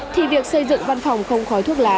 thì việc xây dựng văn phòng không khói thuốc lá